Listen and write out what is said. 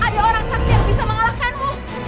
ada orang sakti yang bisa mengalahkanmu